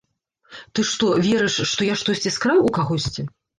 Ты што, верыш, што я штосьці скраў у кагосьці?